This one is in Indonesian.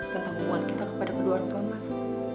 tentang hubungan kita kepada kedua orang tua mas